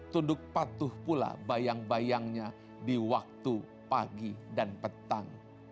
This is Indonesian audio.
tunduk patuh pula bayang bayangnya di waktu pagi dan petang